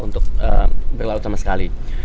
untuk berlaut sama sekali